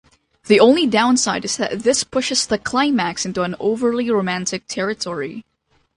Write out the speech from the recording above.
The only downside is that this pushes the climax into an overly romantic territory.